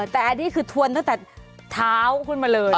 แต่อันนี้คือทวนตั้งแต่เท้าขึ้นมาเลย